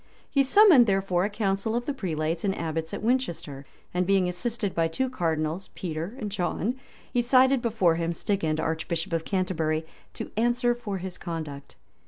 He summoned, therefore, a council of the prelates and abbots at Winchester; and being assisted by two cardinals, Peter and John, he cited before him Stigand, archbishop of Canterbury, to answer for his conduct.